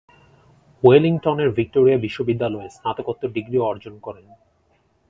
ওয়েলিংটনের Victoria বিশ্ববিদ্যালয়ে স্নাতকোত্তর degree অর্জন করেন।